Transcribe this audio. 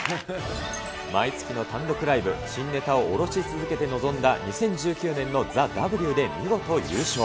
毎月の単独ライブ、新ネタをおろし続けて臨んだ２０１９年のＴＨＥＷで見事優勝。